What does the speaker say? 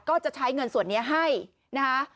ก็จะใช้เงินส่วนนี้ให้นะคะ